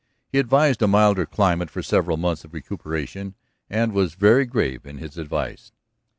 He advised a milder climate for several months of recuperation, and was very grave in his advice.